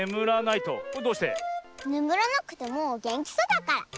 ねむらなくてもげんきそうだから。